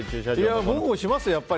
僕もしますよ。